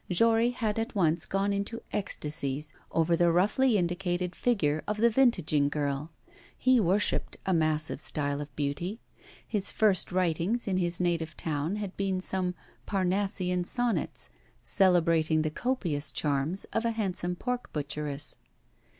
Jory had at once gone into ecstasies over the roughly indicated figure of the vintaging girl. He worshipped a massive style of beauty. His first writings in his native town had been some Parnassian sonnets celebrating the copious charms of a handsome pork butcheress.